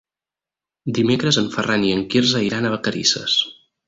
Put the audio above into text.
Dimecres en Ferran i en Quirze iran a Vacarisses.